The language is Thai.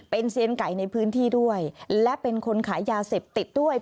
เป็นเซียนไก่ในพื้นที่ด้วยและเป็นคนขายยาเสพติดด้วย